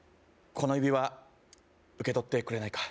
この指輪受け取ってくれないか？